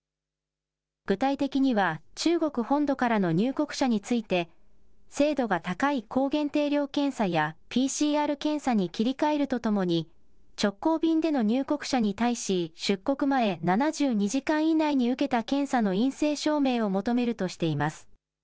具体的には、中国本土からの入国者について、精度が高い抗原定量検査やＰＣＲ検査に切り替えるとともに、直行便での入国者に対し、出国前７２時間以内に受けた検査の陰性証明を求めるとしています。